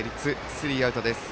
スリーアウトです。